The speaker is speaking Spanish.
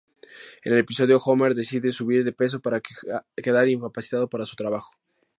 En el episodio, Homer decide subir de peso para quedar incapacitado para su trabajo.